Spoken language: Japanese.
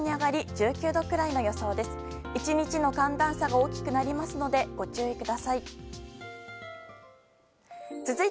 １日の寒暖差が大きくなりますのでご注意ください。